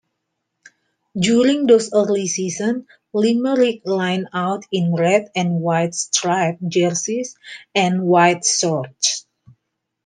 During those early seasons, Limerick lined out in red-and-white striped jerseys and white shorts.